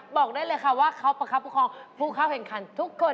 บอกได้เลยค่ะว่าเขาประคับประคองผู้เข้าแข่งขันทุกคน